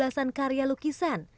membawa belasan karya lukisan